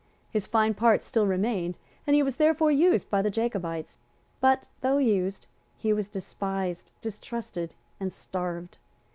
His fine parts still remained; and he was therefore used by the Jacobites; but, though used, he was despised, distrusted and starved.